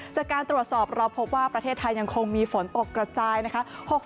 จากการตรวจสอบเราพบว่าประเทศไทยยังคงมีฝนตกกระจายนะคะ